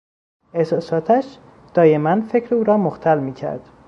احساساتش دایما فکر او را مختل میکرد.